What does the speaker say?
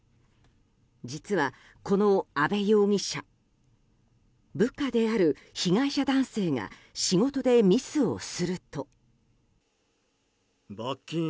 実は、この阿部容疑者部下である被害者男性が仕事でミスをすると。